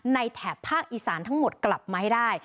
แถบภาคอีสานทั้งหมดกลับมาให้ได้